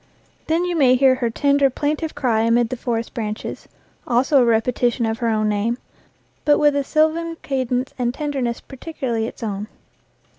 Then you may hear her tender, plaintive cry amid the forest branches also a repetition of her own name, but with a sylvan cadence and tenderness peculiarly its own.